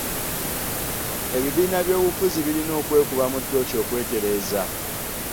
Ebibiina by'oby'obufuzi birina okwekubamu tooki okwetereeza.